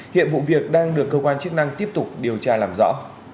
hiện vụ việc đang được cơ quan chức năng tiếp tục điều tra làm rõ